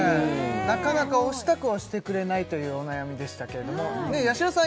なかなかお支度をしてくれないというお悩みでしたけれどもやしろさん